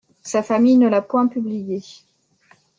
Sa famille ne l’a point publié.